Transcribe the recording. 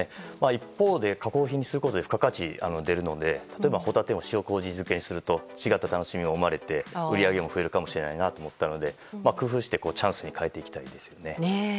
一方で加工品にすることで付加価値が出るので例えばホタテを塩こうじ漬けにすると違った楽しみも生まれて売り上げが増えるかもしれないと思ったので工夫してチャンスに変えていきたいですね。